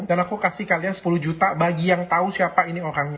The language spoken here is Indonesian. dan aku kasih kalian sepuluh juta bagi yang tahu siapa ini orangnya